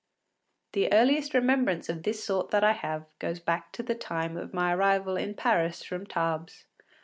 The earliest remembrance of this sort that I have goes back to the time of my arrival in Paris from Tarbes.